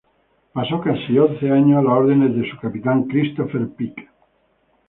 Pasó casi once años a las órdenes de su capitán Christopher Pike.